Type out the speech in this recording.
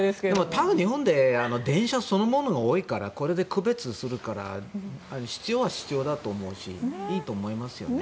ただ、日本は電車そのものが多いからこれで区別するから必要は必要だと思うしいいと思いますよね。